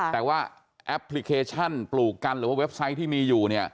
แต่ว่าแอปพลิเคชันปลูกกันหรือว่าเว็บไซต์ที่มีอยู่เนี่ย